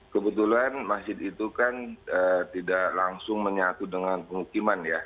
kebetulan masjid itu kan tidak langsung menyatu dengan pemukiman ya